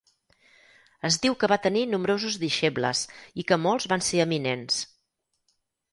Es diu que va tenir nombrosos deixebles i que molts van ser eminents.